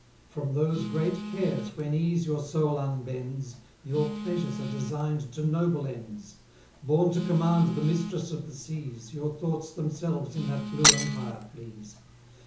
From those great cares when ease your soul unbends, Your pleasures are design'd to noble ends: Born to command the mistress of the seas, Your thoughts themselves in that blue empire please.